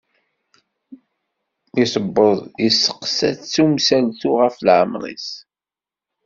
Mi tiweḍ yesteqsa-tt-id umsaltu ɣef laɛmar-is.